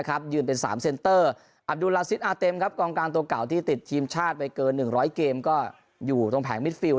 อัพดูลลาซินอาเตมครับกองการตัวกล่าวที่ติดทีมชาติไปเกิน๑๐๐เกมก็อยู่ตรงแผงมิสฟิลด์